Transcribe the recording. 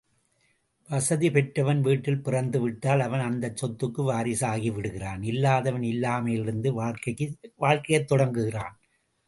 வசதி பெற்றவன் வீட்டில் பிறந்துவிட்டால் அவன் அந்தச் சொத்துக்கு வாரிசாகிவிடுகிறான் இல்லாதவன் இல்லாமையிலிருந்து வாழ்க்கையைத் தொடங்குகிறான்.